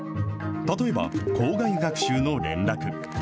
例えば、校外学習の連絡。